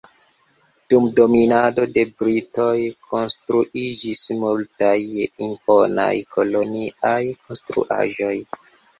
Dum dominado de britoj konstruiĝis multaj imponaj koloniaj konstruaĵoj.